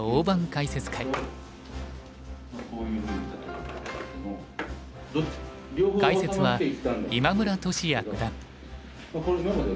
解説は今村俊也九段。